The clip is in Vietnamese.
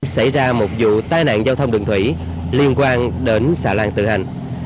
xảy ra một vụ tai nạn giao thông đường thủy liên quan đến xà lan tự hành